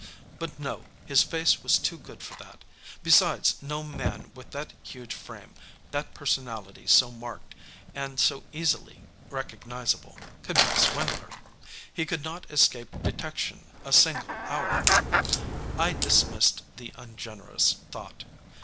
But no, his face was too good for that; besides, no man with that huge frame, that personality so marked and so easily recognizable, could be a swindler; he could not escape detection a single hour. I dismissed the ungenerous thought.